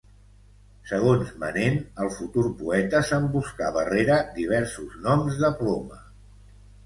Segons Manent el futur poeta s'emboscava rere diversos noms de ploma.